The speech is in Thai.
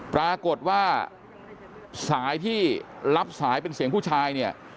ปรากฏว่าสายที่รับสายเป็นเสียงผู้ชายเนี่ย